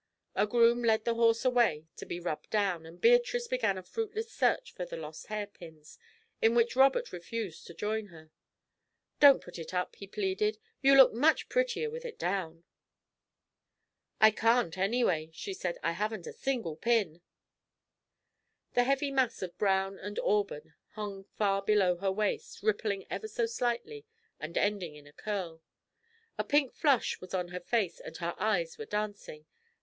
A groom led the horse away to be rubbed down, and Beatrice began a fruitless search for the lost hairpins, in which Robert refused to join her. "Don't put it up," he pleaded, "you look so much prettier with it down." "I can't, anyway," she said. "I haven't a single pin." The heavy mass of brown and auburn hung far below her waist, rippling ever so slightly, and ending in a curl. A pink flush was on her face and her eyes were dancing.